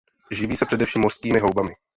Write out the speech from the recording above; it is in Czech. Živí se především mořskými houbami.